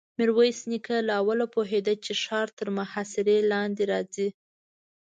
ميرويس نيکه له اوله پوهېده چې ښار تر محاصرې لاندې راځي.